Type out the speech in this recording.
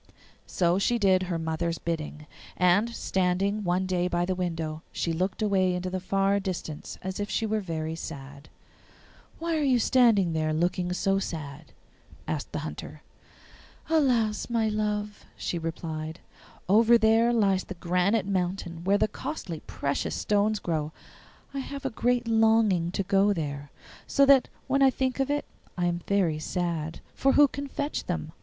So she did her mother's bidding, and, standing one day by the window, she looked away into the far distance as if she were very sad. 'Why are you standing there looking so sad?' asked the Hunter. 'Alas, my love,' she replied, 'over there lies the granite mountain where the costly precious stones grow. I have a great longing to go there, so that when I think of it I am very sad. For who can fetch them?